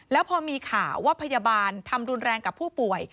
แล้วพอมีข่าวว่าพยาบาลทำรุนแรงกับผู้ป่วย